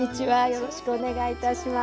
よろしくお願いします。